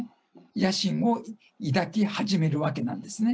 野心を抱き始めるわけなんですね。